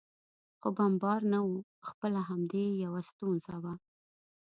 خو بمبار نه و، خپله همدې یو ستونزه وه.